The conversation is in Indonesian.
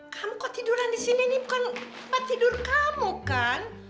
kamu kok tiduran di sini weren't you yang tidur tadi kan